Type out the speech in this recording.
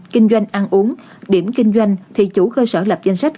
kinh doanh ăn uống điểm kinh doanh thì chủ cơ sở lập danh sách